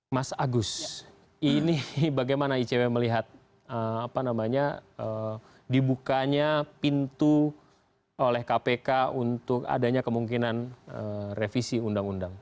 mas agus ini bagaimana icw melihat dibukanya pintu oleh kpk untuk adanya kemungkinan revisi undang undang